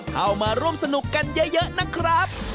เข้ามาร่วมสนุกกันเยอะนะครับ